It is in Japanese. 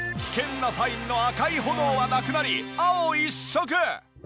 危険なサインの赤い炎はなくなり青一色。